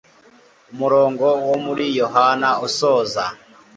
umurongo wo muri yohana usoza